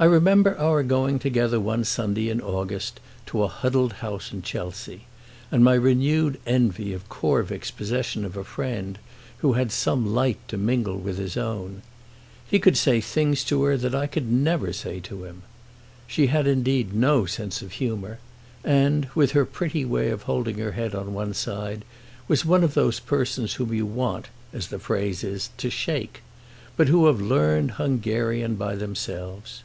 I remember our going together one Sunday in August to a huddled house in Chelsea, and my renewed envy of Corvick's possession of a friend who had some light to mingle with his own. He could say things to her that I could never say to him. She had indeed no sense of humour and, with her pretty way of holding her head on one side, was one of those persons whom you want, as the phrase is, to shake, but who have learnt Hungarian by themselves.